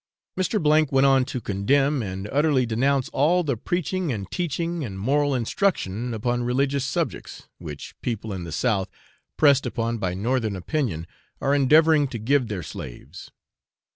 Mr. O went on to condemn and utterly denounce all the preaching and teaching and moral instruction upon religious subjects, which people in the south, pressed upon by northern opinion, are endeavouring to give their slaves.